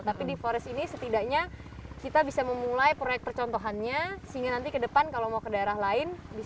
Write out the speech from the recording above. tapi di forest ini setidaknya kita bisa memulai proyek percontohannya sehingga nanti ke depan kalau mau ke daerah lain bisa